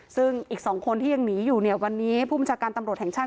ซึ่งอีก๒คนที่ยังหนีอยู่เนี่ยวันนี้ผู้บัญชาการตำรวจแห่งชาติ